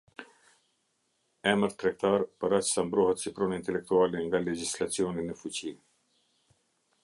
Emër tregtar për aq sa mbrohet si pronë intelektuale nga legjislacioni në fuqi.